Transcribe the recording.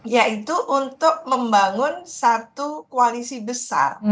yaitu untuk membangun satu koalisi besar